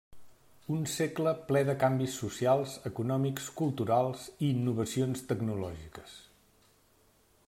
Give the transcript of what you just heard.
Un segle ple de canvis socials, econòmics, culturals i innovacions tecnològiques.